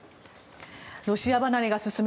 ロシア離れが進む